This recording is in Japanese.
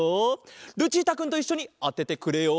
ルチータくんといっしょにあててくれよ！